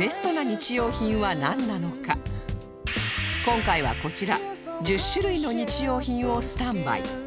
今回はこちら１０種類の日用品をスタンバイ